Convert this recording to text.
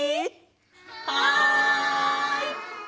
はい！